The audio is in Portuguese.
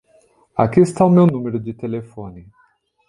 Aqui está o meu número de telefone.